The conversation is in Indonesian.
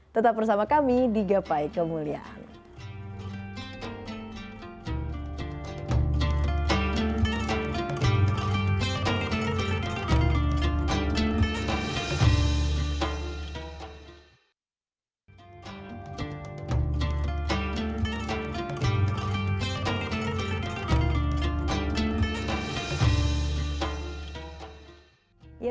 tetap bersama kami di gapai kemuliaan